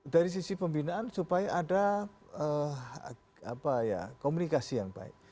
dari sisi pembinaan supaya ada komunikasi yang baik